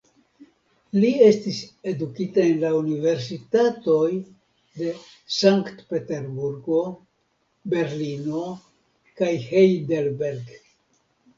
Li estis edukita en la universitatoj de Sankt-Peterburgo, Berlino kaj Heidelberg.